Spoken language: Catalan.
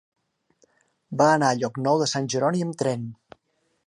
Va anar a Llocnou de Sant Jeroni amb tren.